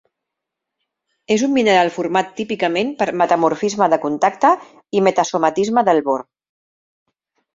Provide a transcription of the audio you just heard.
És un mineral format típicament per metamorfisme de contacte i metasomatisme del bor.